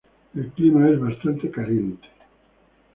El clima es bastante caliente.